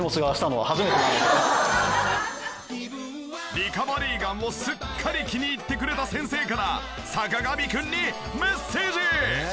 リカバリーガンをすっかり気に入ってくれた先生から坂上くんにメッセージ！